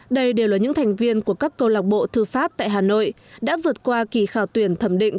đây đều là những thành viên của các câu lạc bộ thư pháp tại hà nội đã vượt qua kỳ khảo tuyển thẩm định